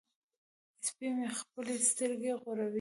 سپی مې خپلې سترګې غړوي.